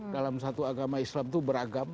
dalam satu agama islam itu beragam